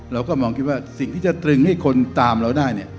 เราก็มองคิดว่าสิ่งที่จะตรึงให้คนตามเราได้เนี่ย